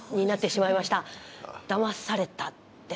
「だまされた」ですか。